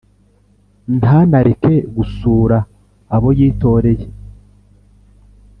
ntanareke gusura abo yitoreye.